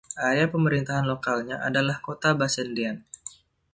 Area pemerintahan lokalnya adalah Kota Bassendean.